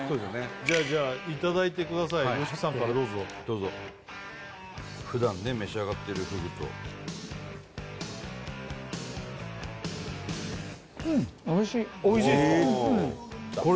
じゃあじゃあいただいてくださいＹＯＳＨＩＫＩさんからどうぞふだんね召し上がってるふぐとおいしいですか？